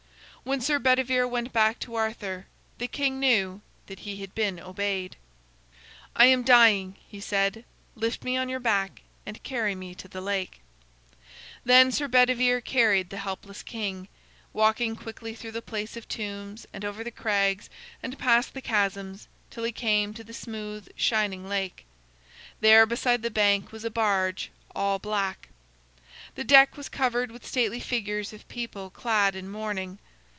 When Sir Bedivere went back to Arthur, the king knew that he had been obeyed. "I am dying," he said. "Lift me on your back and carry me to the lake." Then Sir Bedivere carried the helpless king, walking quickly through the place of tombs, and over the crags, and past the chasms, till he came to the smooth shining lake. There beside the bank was a barge, all black. The deck was covered with stately figures of people clad in mourning.